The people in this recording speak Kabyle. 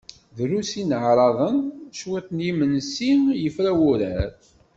Drus n yineɛraḍen, cwiṭ n yimensi, yefra wurar.